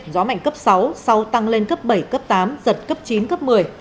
gió mạnh cấp sáu sau tăng lên cấp bảy cấp tám giật cấp chín cấp một mươi